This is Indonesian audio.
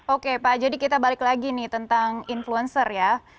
oke pak jadi kita balik lagi nih tentang influencer ya